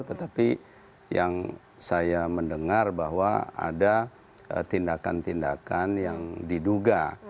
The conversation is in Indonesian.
tetapi yang saya mendengar bahwa ada tindakan tindakan yang diduga